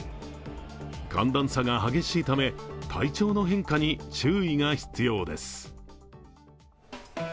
寒暖差が激しいため、体調の変化に注意が必要です。